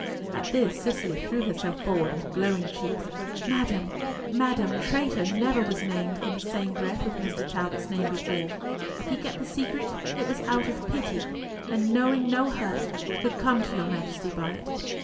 At this Cicely threw herself forward with glowing cheeks. "Madam, madam, traitor never was named in the same breath with Master Talbot's name before. If he kept the secret, it was out of pity, and knowing no hurt could come to your Majesty by it."